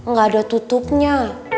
gak ada tutupnya